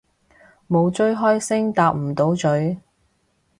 冇追開星搭唔到咀